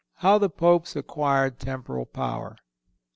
How The Popes Acquired Temporal Power.